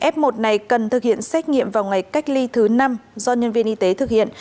f một này cần thực hiện xét nghiệm vào ngày cách ly thứ năm do nhân viên y tế thực hiện